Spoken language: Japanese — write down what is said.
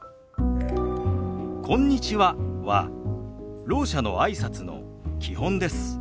「こんにちは」はろう者のあいさつの基本です。